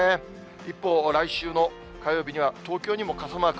一方、来週の火曜日には、東京にも傘マーク。